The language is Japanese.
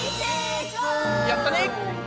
やったね！